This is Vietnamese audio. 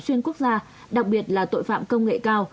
xuyên quốc gia đặc biệt là tội phạm công nghệ cao